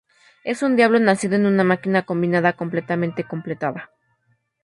Es un diablo nacido de una máquina combinada completamente completada.